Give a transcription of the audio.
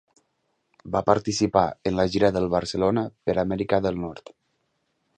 Va participar en la gira del Barcelona per Amèrica del Nord.